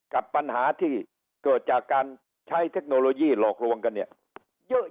กับปัญหาที่เกิดจากการใช้เทคโนโลยีหลอกลวงกันเนี่ยเยอะ